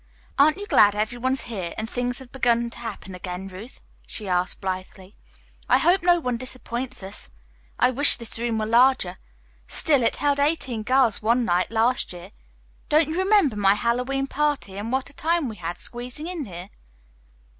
"Aren't you glad every one's here, and things have begun to happen again, Ruth?" she asked blithely. "I hope no one disappoints us. I wish this room were larger. Still, it held eighteen girls one night last year. Don't you remember my Hallowe'en party, and what a time we had squeezing in here?"